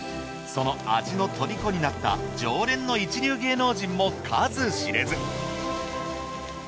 その味の虜になった常連の一流芸能人も数知れず。